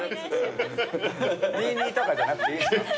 ２２とかじゃなくていいんすか？